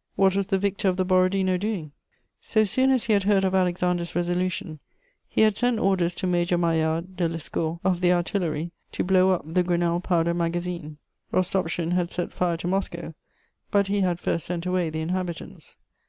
* What was the victor of the Borodino doing? So soon as he had heard of Alexander's resolution, he had sent orders to Major Maillard de Lescourt of the Artillery to blow up the Grenelle powder magazine: Rostopschin had set fire to Moscow, but he had first sent away the inhabitants.